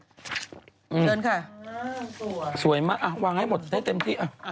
เชิญค่ะอ๋อสวยมากอ่ะวางให้หมดได้เต็มที่อ่ะ